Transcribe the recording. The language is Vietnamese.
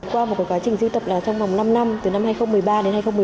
qua một quá trình di tập trong vòng năm năm từ năm hai nghìn một mươi ba đến hai nghìn một mươi